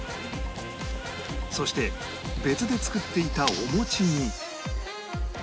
そして別で作っていたお餅に